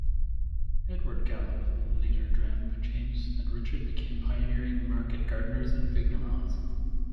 Edward Gallop later drowned but James and Richard became pioneering market gardeners and vignerons.